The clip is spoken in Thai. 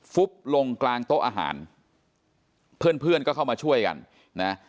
ฟุบลงกลางโต๊ะอาหารเพื่อนเพื่อนก็เข้ามาช่วยกันนะ